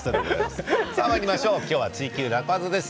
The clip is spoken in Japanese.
今日は「ツイＱ楽ワザ」です。